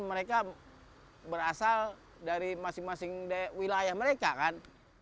mereka berasal dari masing masing wilayah mereka kan